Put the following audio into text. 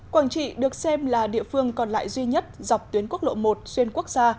quảng trị được xem là địa phương còn lại duy nhất dọc tuyến quốc lộ một xuyên quốc gia